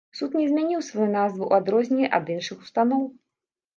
Суд не змяніў сваю назву ў адрозненні ад іншых устаноў.